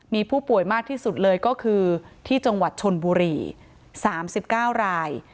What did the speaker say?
มีผู้ป่วยมากที่สุดเลยก็คือที่จังหวัดชนบุรี๓๙ราย